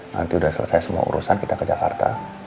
nanti sudah selesai semua urusan kita ke jakarta